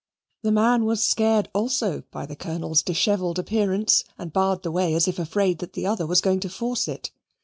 The man was scared also by the Colonel's dishevelled appearance, and barred the way as if afraid that the other was going to force it.